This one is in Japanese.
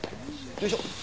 よいしょ。